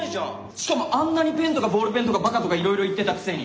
しかもあんなにペンとかボールペンとかバカとかいろいろ言ってたくせに。